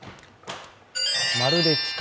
まるで機械？